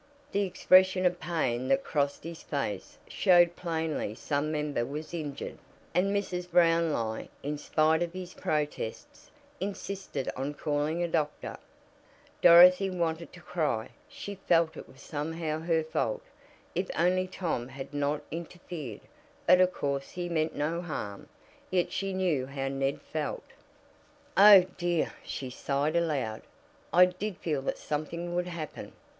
The expression of pain that crossed his face showed plainly some member was injured, and Mrs. Brownlie, in spite of his protests, insisted on calling a doctor. [Illustration: "HE CRASHED TO THE FLOOR, RIGHT AT HER FEET." Page 158.] Dorothy wanted to cry. She felt it was somehow her fault. If only Tom had not interfered! But of course he meant no harm. Yet she knew how Ned felt. "Oh, dear," she sighed aloud, "I did feel that something would happen!"